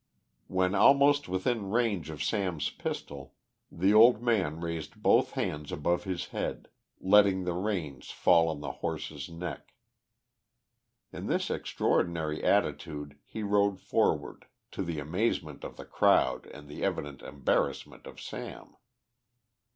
When almost within range of Sam's pistol, the old man raised both hands above his head, letting the reins fall on the horse's neck. In this extraordinary attitude he rode forward, to the amazement of the crowd and the evident embarrassment of Sam.